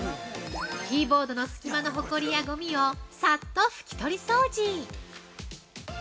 キーボードの隙間のほこりやごみをさっと拭き取り掃除。